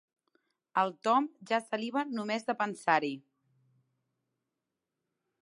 El Tom ja saliva només de pensar-hi.